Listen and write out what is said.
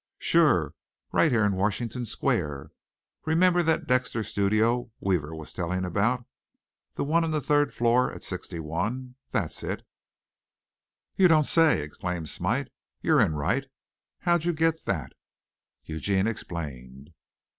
"Sure. Right here in Washington Square. Remember that Dexter studio Weaver was telling about? The one in the third floor at sixty one? That's it." "You don't say!" exclaimed Smite. "You're in right. How'd you get that?" Eugene explained.